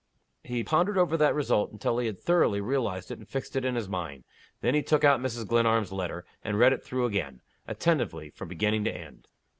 He pondered over that result until he had thoroughly realized it and fixed it in his mind. Then he took out Mrs. Glenarm's letter, and read it through again, attentively, from beginning to end.